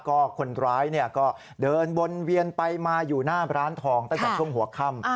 ก็คนร้ายก็เดินวนเวียนไปมาอยู่หน้าร้านทองตั้งแต่ช่วงหัวค่ำ